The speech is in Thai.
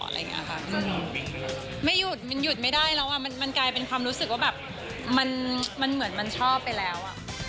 มันหยุดไม่ได้แล้วมันกลายเป็นความรู้สึกว่าแบบมันเหมือนมันชอบไปแล้ว